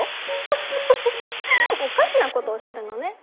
アハハハハ！おかしなことおっしゃるのね。